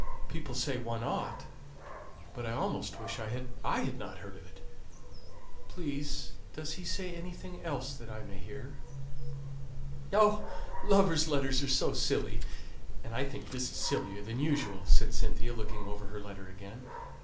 "People say one ought, but I almost wish I hadn't heard it. Please, does he say anything else that I may hear?" "Oh, lovers' letters are so silly, and I think this is sillier than usual," said Cynthia, looking over her letter again.